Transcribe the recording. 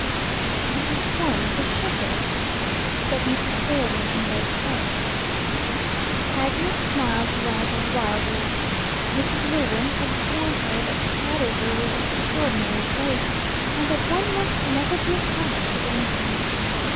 "It is one of the shepherds," said Mrs. Failing, in low tones. Agnes smiled rather wildly. Mrs. Lewin had warned her that Cadover was an extraordinary place, and that one must never be astonished at anything.